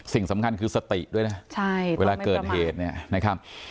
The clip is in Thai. สิ่งสำคัญคือสติด้วยนะเวลาเกิดเหตุเนี่ยนะครับ